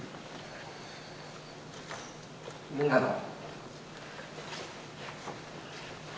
みんなの。